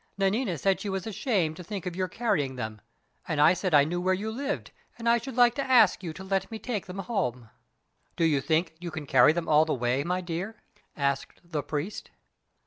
Nanina said she was ashamed to think of your carrying them; and I said I knew where you lived, and I should like to ask you to let me take them home!" "Do you think you can carry them all the way, my dear?" asked the priest.